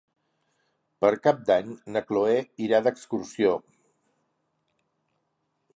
Per Cap d'Any na Cloè irà d'excursió.